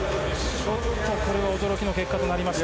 ちょっと、これは驚きの結果となりました。